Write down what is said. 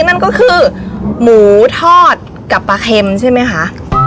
นั่นก็คือหมูทอดกับปลาเค็มใช่ไหมคะ